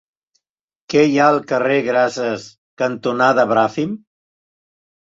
Què hi ha al carrer Grases cantonada Bràfim?